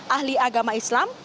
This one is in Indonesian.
ahli agama islam